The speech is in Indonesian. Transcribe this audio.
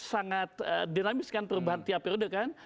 sangat dinamis kan perubahan tiap periode kan